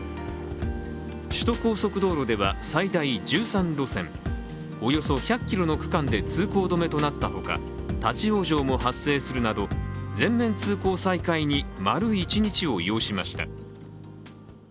首都高速道路では最大１３路線、およそ１００ｋｍの区間で通行止めとなったほか、立往生も発生するなど全面通行再開に丸一日を要しました。